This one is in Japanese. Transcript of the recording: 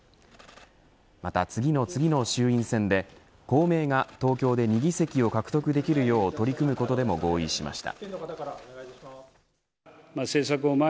また、次の次の衆院選で公明が東京で２議席を獲得できるよう取り組むことでも合意しました。